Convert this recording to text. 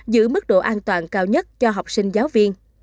giữ mức độ an toàn cao nhất cho học sinh giáo viên